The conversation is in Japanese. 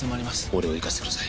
俺を行かせてください